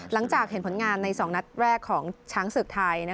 หลังจากเห็นผลงานใน๒นัดแรกของช้างศึกไทย